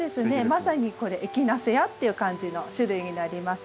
まさにこれエキナセアっていう感じの種類になりますね。